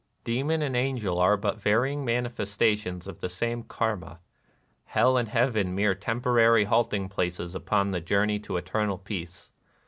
Demon and angel are but varying manifestations of the same Karma ;— hell and heaven mere temporary halting places upon the journey to eternal peace.